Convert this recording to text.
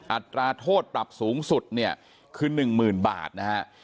อัตราโทษปรับสูงสุดเนี่ยคือ๑๐๐๐บาทนะฮะ